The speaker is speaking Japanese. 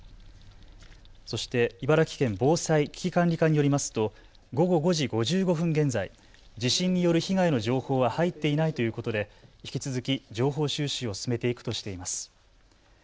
そして茨城県防災・危機管理課によりますと午後５時５５分現在、地震による被害の情報は入っていないということで引き続き情報収集を進めていくとしています。